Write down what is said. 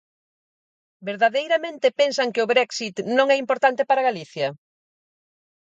¿Verdadeiramente pensan que o brexit non é importante para Galicia?